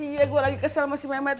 iya gua lagi kesel sama si memet